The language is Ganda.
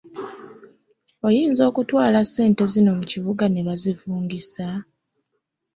Oyinza okutwala ssente zino mu kibuga ne bazivungisa?